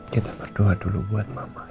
kita berdoa dulu buat mama